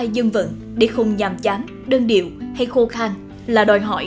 triển khai dân vận để không nhàm chán đơn điệu hay khô khang là đòi hỏi